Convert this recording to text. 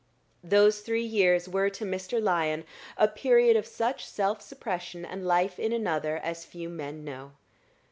Those three years were to Mr. Lyon a period of such self suppression and life in another as few men know.